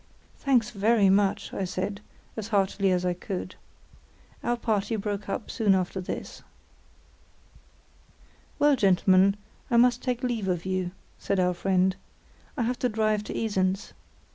"Thanks, very much," said I, as heartily as I could. Our party broke up soon after this. "Well, gentlemen, I must take leave of you," said our friend. "I have to drive to Esens.